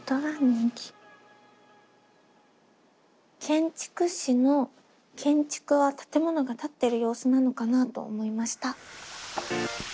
「建築士」の「建築」は建物が建ってる様子なのかなと思いました。